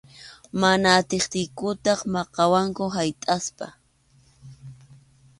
Mana atiptiykuta maqawaqku haytʼaspa.